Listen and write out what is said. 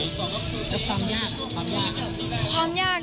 แล้วความยากคือความยาก